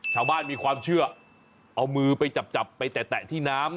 ชาวบ้านมีความเชื่อเอามือไปจับไปแตะที่น้ำ